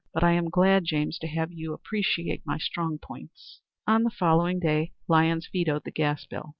But I am glad, James, to have you appreciate my strong points." On the following day Lyons vetoed the gas bill.